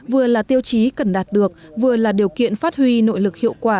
vừa là tiêu chí cần đạt được vừa là điều kiện phát huy nội lực hiệu quả